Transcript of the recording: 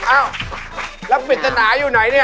อ้าวแล้วปริศนาอยู่ไหนเนี่ย